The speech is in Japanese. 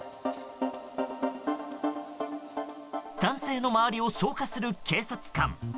男性の周りを消火する警察官。